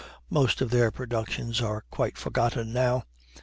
Most of their productions are quite forgotten now.